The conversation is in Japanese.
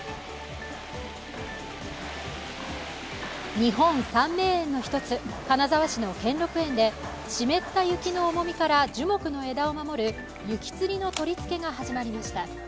日本三名園の一つ金沢市の兼六園で湿った雪の重みから樹木の枝を守る雪づりの取り付けが始まりました。